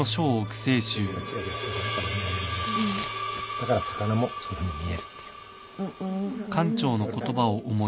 だから魚もそういうふうに見えるっていう。